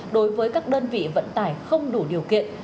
đối với các đơn vị vận tải không đủ điều kiện